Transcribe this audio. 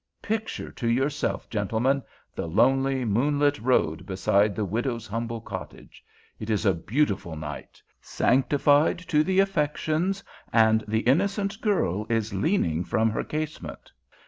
Picture to yourself, gentlemen, the lonely moonlight road beside the widow's humble cottage. It is a beautiful night, sanctified to the affections, and the innocent girl is leaning from her casement.